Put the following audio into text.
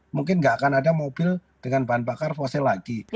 mungkin nggak akan ada mobil dengan bahan bakar fosil lagi